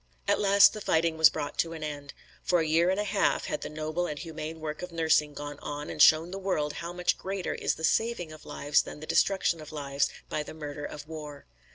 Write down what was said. At last the fighting was brought to an end. For a year and a half had the noble and humane work of nursing gone on and shown the world how much greater is the saving of lives than the destruction of lives by the murder of war.